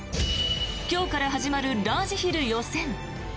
今日から始まるラージヒル予選。